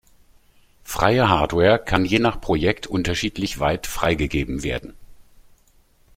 Freie Hardware kann je nach Projekt unterschiedlich weit freigegeben werden.